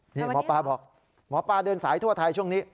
นี่หมอปลาบอกหมอปลาเดินสายทั่วไทยช่วงนี้